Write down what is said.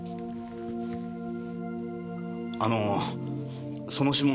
あのーその指紋。